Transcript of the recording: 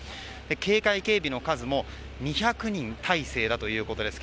警戒警備の数も２００人態勢だということです。